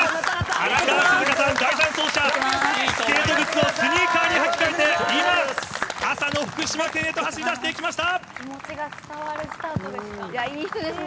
荒川静香さん、第３走者、スケート靴をスニーカーに履き替えて、今、朝の福島県へと走りだしていきました。